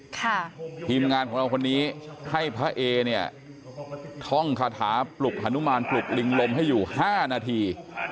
ทีมงานของเราคนนี้ให้พระเอเนี่ยท่องคาถาปลุกฮนุมานปลุกลิงลมให้อยู่ห้านาที